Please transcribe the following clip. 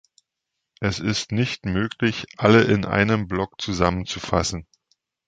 Es ist nicht möglich, alle in einem Block zusammenzufassen.